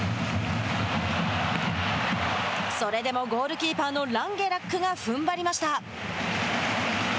それでもゴールキーパーのランゲラックがふんばりました。